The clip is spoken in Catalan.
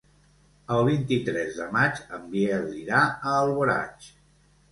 El vint-i-tres de maig en Biel irà a Alboraig.